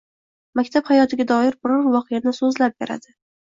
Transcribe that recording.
Maktab hayotiga doir biror voqeani so‘zlab beradi.